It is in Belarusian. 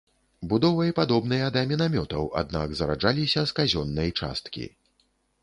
Будовай падобныя да мінамётаў, аднак зараджаліся з казённай часткі.